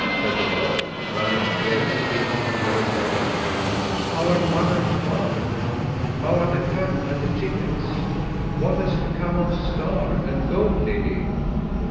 said the boy, running fearlessly into her stall. "How are mother and father? How are the cat and the chickens? What has become of Star and Gold Lily?"